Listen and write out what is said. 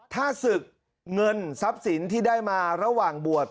ถ้าศึกเงินทรัพย์สินที่ได้มาระหว่างบวช